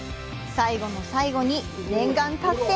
最後の最後に念願達成。